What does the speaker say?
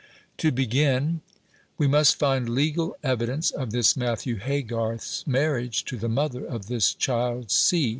"To begin: we must find legal evidence of this Matthew Haygarth's marriage to the mother of this child C.